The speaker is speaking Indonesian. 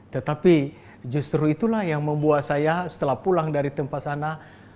tetapi justru itulah yang membuat saya setelah pulang dari tempat sana